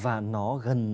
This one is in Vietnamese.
và nó gần